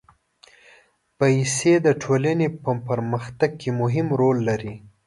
پېسې د ټولنې په پرمختګ کې مهم رول لري.